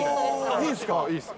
いいですか？